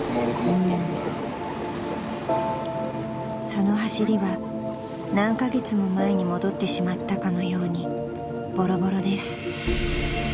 ［その走りは何カ月も前に戻ってしまったかのようにぼろぼろです］